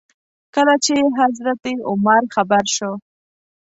کله چې حضرت عمر خبر شو.